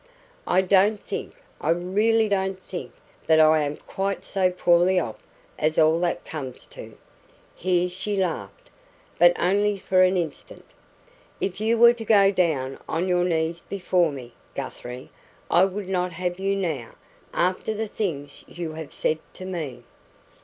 I don't think I really DON'T think that I am QUITE so poorly off as all that comes to." Here she laughed, but only for an instant. "If you were to go down on your knees before me, Guthrie, I would not have you now, after the things you have said to me."